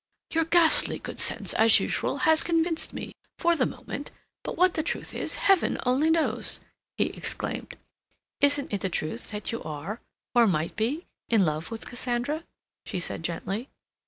"Your ghastly good sense, as usual, has convinced me—for the moment—but what the truth is, Heaven only knows!" he exclaimed. "Isn't it the truth that you are, or might be, in love with Cassandra?" she said gently.